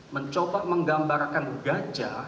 mencoba menggambarkan gajah